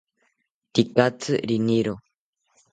Tekatzi riniro